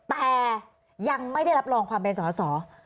แต่ยังไม่ได้รับรองความเป็นสอสอ